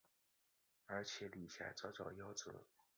而且李遐早早夭折。